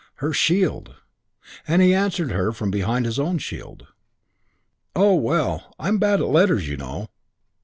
Her shield! And he answered her from behind his own shield, "Oh, well, I'm bad at letters, you know."